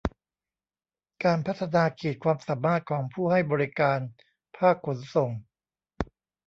การพัฒนาขีดความสามารถของผู้ให้บริการภาคขนส่ง